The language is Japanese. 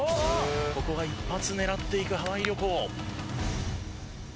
ここは１発狙っていくハワイ旅行。